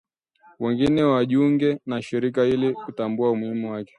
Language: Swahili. wengi wajiunge na shirika hili na kutambua umuhimu wake